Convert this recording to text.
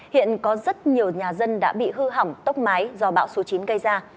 hiện có rất nhiều nhà dân đã bị hư hỏng tốc mái do bão số chín gây ra